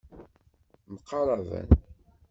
Mqaraben.